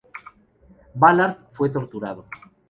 Ballard fue torturado.